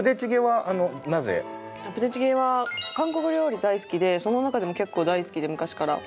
プデチゲは韓国料理大好きでその中でも結構大好きで昔から。